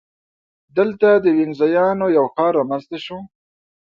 دلته د وینزیانو یو ښار رامنځته شو.